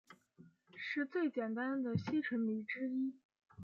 是最简单的烯醇醚之一。